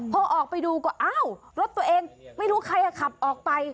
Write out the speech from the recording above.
พอออกไปดูก็อ้าวรถตัวเองไม่รู้ใครขับออกไป